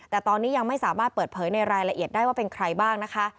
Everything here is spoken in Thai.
แต่ตอนนี้ยังไม่สามารถเปิดเผยในรายละเอียดได้ว่าเป็นใครบ้างนะคะ